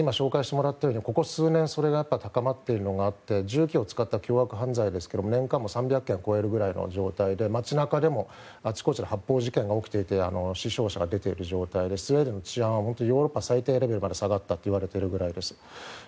今、紹介してもらったようにここ数年今高まっているのがあって銃器を使った凶悪犯罪ですけど年間３００件を超えるくらいの状態で、街中でもあちこち発砲事件が起きていて死傷者が出ている状態でスウェーデンの治安はヨーロッパ最低レベルまで下がったといわれているくらいです。